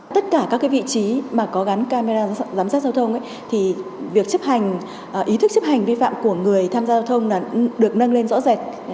tất cả các vị trí mà có gắn camera giám sát giao thông thì việc chấp hành ý thức chấp hành vi phạm của người tham gia giao thông được nâng lên rõ rệt